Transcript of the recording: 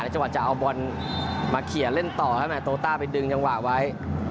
จังหวะจะเอาบอลมาเขียนเล่นต่อให้แม่โตต้าไปดึงจังหวะไว้